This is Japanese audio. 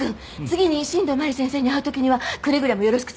次に新道真理先生に会う時にはくれぐれもよろしく伝えてね。